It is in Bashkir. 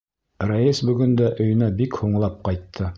Рәйес бөгөн дә өйөнә бик һуңлап ҡайтты.